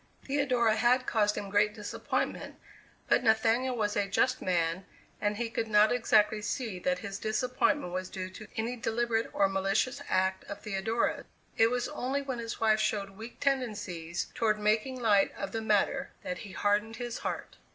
Theodora had caused him great disappointment, but Nathaniel was a just man and he could not exactly see that his disappointment was due to any deliberate or malicious act of Theodora's; it was only when his wife showed weak tendencies toward making light of the matter that he hardened his heart.